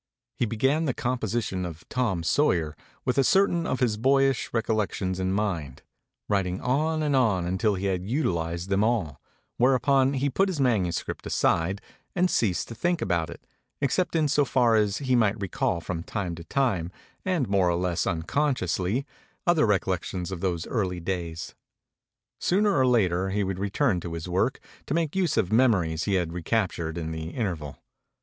He began the composition of 'Tom Sawyer' with certain of his boyish recollections in mind, writing on and on until he had utilized them all, whereupon he put his manuscript aside and ceased to think about it, except in so far as he might recall from time to time, and more or less unconsciously, other recollections of those early days. Sooner or later he would return to his work to make use of memories he had recaptured in the interval.